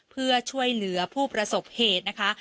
เพื่อช่วยเหลือผู้ประสบเหตุนะคะ